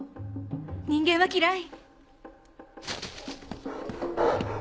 人間は嫌い！